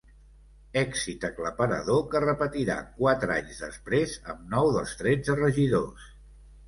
Èxit aclaparador que repetirà quatre anys després, amb nou dels tretze regidors.